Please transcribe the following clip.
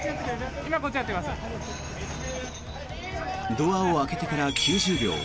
ドアを開けてから９０秒。